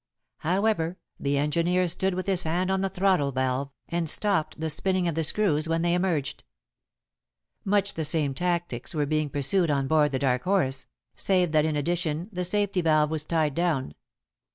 However, the engineer stood with his hand on the throttle valve, and stopped the spinning of the screws when they emerged. Much the same tactics were being pursued on board The Dark Horse, save that in addition the safety valve was tied down.